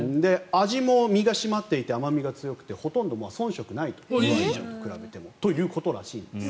味も身が締まっていて甘みが強くてほとんど遜色ないということらしいんです。